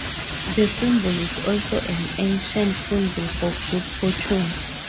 The symbol is also an ancient symbol for good fortune.